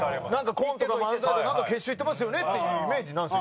コントか漫才で決勝行ってますよねっていうイメージなんですよ。